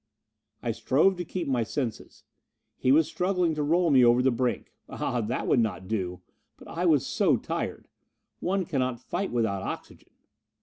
I strove to keep my senses. He was struggling to roll me over the brink. Ah, that would not do! But I was so tired. One cannot fight without oxygen!